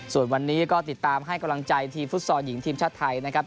ส่วนวันนี้ก็ติดตามให้กำลังใจทีมฟุตซอลหญิงทีมชาติไทยนะครับ